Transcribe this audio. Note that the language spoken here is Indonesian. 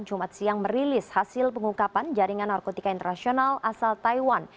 jumat siang merilis hasil pengungkapan jaringan narkotika internasional asal taiwan